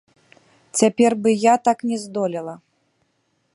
Цяпер бы я так не здолела.